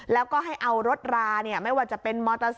แล้วก็ให้เอารถราไม่ว่าจะเป็นมอเตอร์ไซค